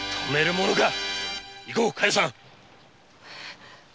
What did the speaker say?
行こう加代さん！